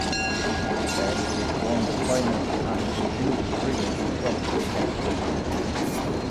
The English won the final and the Jules Rimet Trophy in extra time.